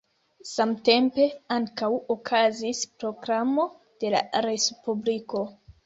Samtempe ankaŭ okazis proklamo de la respubliko.